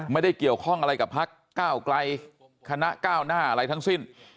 ไม่ได้เกี่ยวข้องอะไรกับพักก้าวไกลคณะก้าวหน้าอะไรทั้งสิ้น